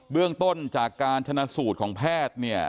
เรื่องต้นจากการชนะสูตรของแพทย์เนี่ย